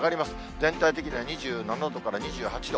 全体的には２７度から２８度。